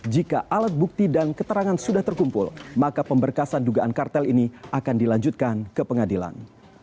jika alat bukti dan keterangan sudah terkumpul maka pemberkasan dugaan kartel ini akan dilanjutkan ke pengadilan